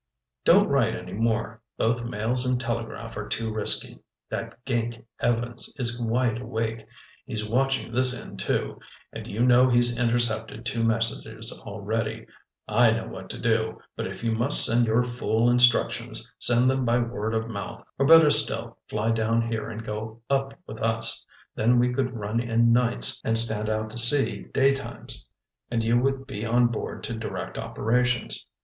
"Don't write any more. Both mails and telegraph are too risky. That gink Evans is wide awake. He's watching this end too—and you know he's intercepted two messages already. I know what to do, but if you must send your fool instructions, send them by word of mouth, or better still, fly down here and go up with us. Then we could run in nights and stand out to sea day times, and you would be on board to direct operations.